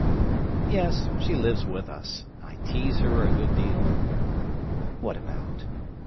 "Yes; she lives with us. I tease her a good deal." "What about?"